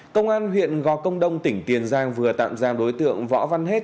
công an huyện gò công đông tỉnh tiền giang vừa tạm giam đối tượng võ văn hết